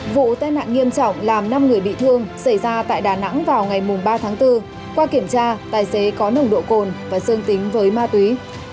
vụ tai nạn nghiêm trọng làm năm người bị thương xảy ra tại đà nẵng vào ngày ba tháng bốn qua kiểm tra tài xế có nồng độ cồn và dương tính với ma túy